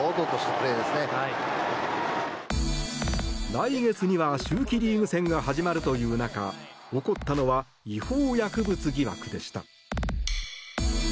来月には秋季リーグ戦が始まるという中起こったのは違法薬物疑惑でした。